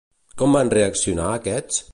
Com van reaccionar aquests?